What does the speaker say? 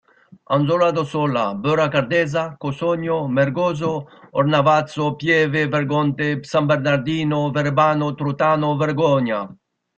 Anzola d'Ossola, Beura-Cardezza, Cossogno, Mergozzo, Ornavasso, Pieve Vergonte, San Bernardino Verbano, Trontano, Vogogna.